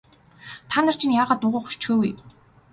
Та нар чинь яагаад дуугүй хөшчихөө вэ?